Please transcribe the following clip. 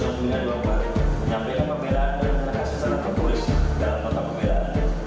menyampaikan pembedaan dan menekasi salah berpolis dalam kota pembedaan